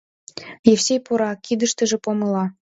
Евсей пура, кидыштыже помыла.